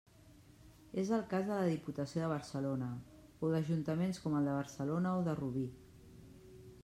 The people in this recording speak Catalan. És el cas de la Diputació de Barcelona, o d'Ajuntaments com el de Barcelona o de Rubí.